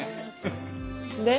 で？